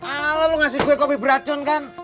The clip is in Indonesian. apa lu ngasih gue kopi beracun kan